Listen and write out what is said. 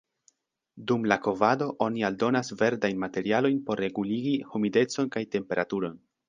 Dum la kovado oni aldonas verdajn materialojn por reguligi humidecon kaj temperaturon.